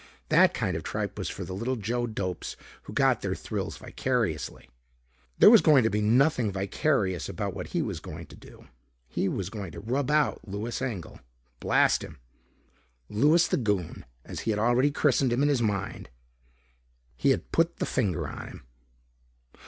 That kind of tripe was for the little Joe Dopes who got their thrills vicariously. There was going to be nothing vicarious about what he was going to do. He was going to rub out Louis Engel. Blast him. Louis the Goon, as he had already christened him in his mind. He had put the finger on him.